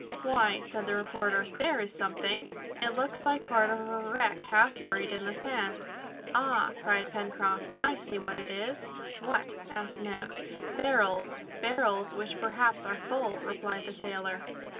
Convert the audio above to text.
"Why," said the reporter, "there is something. It looks like part of a wreck half buried in the sand." "Ah!" cried Pencroft, "I see what it is!" "What?" asked Neb. "Barrels, barrels, which perhaps are full," replied the sailor.